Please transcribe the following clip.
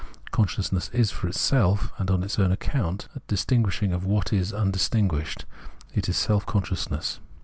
Consciousness is for itself and on its own account, it is a distinguishiag of what is undistinguished, it is Self consciousness.